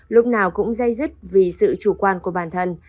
lúc nào cũng dây dứt vì sự chủ quan của bản thân